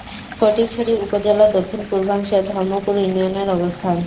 ফটিকছড়ি উপজেলার দক্ষিণ-পূর্বাংশে ধর্মপুর ইউনিয়নের অবস্থান।